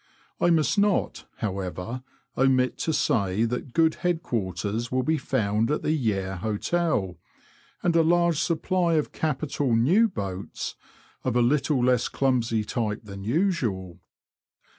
I must not, however, omit to say that good head quartere will be found at the Yare Hotel, and a large supply of capital new boats, of a little less clumsy type than usual.